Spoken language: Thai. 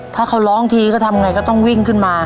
ถ้าเขาร้องทีก็ทำไงก็ต้องวิ่งขึ้นมา